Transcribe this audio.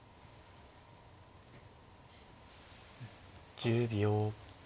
１０秒。